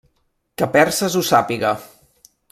Que Perses ho sàpiga.